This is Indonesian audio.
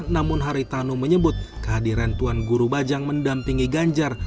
namun haritanu menyebut kehadiran tuan guru bajang mendampingi ganjar